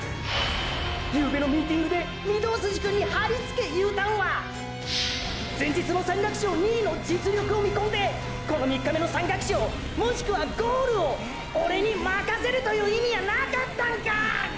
ゆうべのミーティングで御堂筋くんにはりつけ言うたんは前日の山岳賞２位の実力を見込んでこの３日目の山岳賞もしくはゴールをオレにまかせるという意味やなかったんか！！